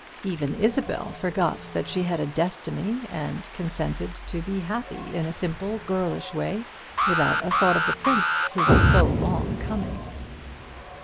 Even Isabel forgot that she had a Destiny, and consented to be happy in a simple girlish way, without a thought of the prince who was so long coming.